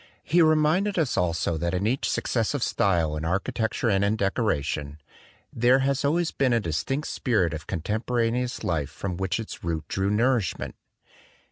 He reminded us also that in each successive style in architecture and in decoration "there has always been a distinct spirit of contemporaneous life from which its root drew nourishment."